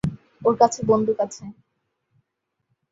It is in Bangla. ওর কাছে বন্দুক আছে।